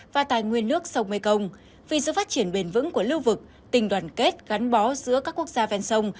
và tài nguyên nước sông mekong vì sự phát triển bền vững của lưu vực tình đoàn kết gắn bó giữa các quốc gia ven sông